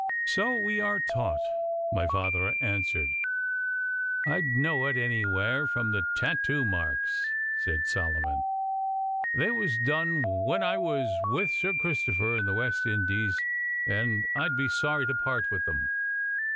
'So we are taught,' my father answered. 'I'd know it anywhere from the tattoo marks,' said Solomon. 'They was done when I was with Sir Christopher in the West Indies, and I'd be sorry to part with them.